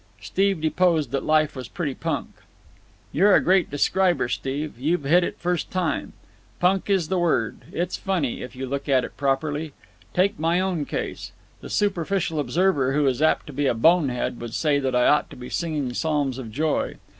Steve deposed that life was pretty punk. "You're a great describer, Steve. You've hit it first time. Punk is the word. It's funny, if you look at it properly. Take my own case. The superficial observer, who is apt to be a bonehead, would say that I ought to be singing psalms of joy.